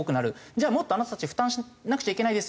じゃあもっとあなたたち負担しなくちゃいけないですよ。